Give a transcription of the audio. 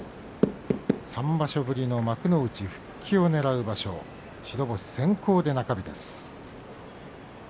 ３場所ぶりの幕内復帰をねらう場所、白星先行で中日です。